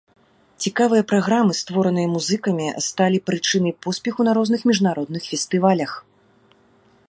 Цікавыя праграмы, створаныя музыкамі, сталі прычынай поспеху на розных міжнародных фестывалях.